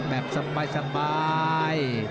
แม่ก็ดีกว่า